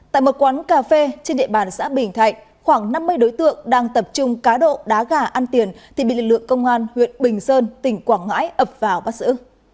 tại một quán cà phê trên địa bàn xã bình thạnh khoảng năm mươi đối tượng đang tập trung cá độ đá gà ăn tiền thì bị lực lượng công an huyện bình sơn tỉnh quảng ngãi ập vào bắt giữ